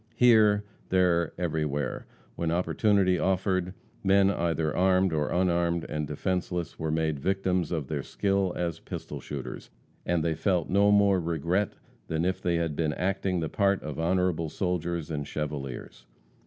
Here, there, everywhere, when opportunity offered, men either armed or unarmed and defenseless were made victims of their skill as pistol shooters, and they felt no more regret than if they had been acting the part of honorable soldiers and chevaliers.